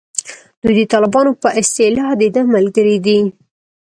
دوی د طالبانو په اصطلاح دده ملګري دي.